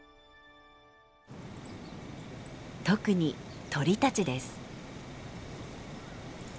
特に鳥たちです。